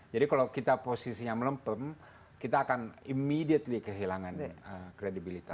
jadi kalau kita posisinya melempem kita akan immediately kehilangan kredibilitas